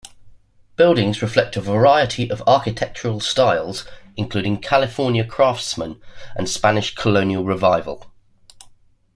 Buildings reflect a variety of architectural styles, including California Craftsman and Spanish Colonial Revival.